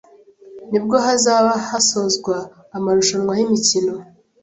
ni bwo hazaba hasozwa amarushanwa y’imikino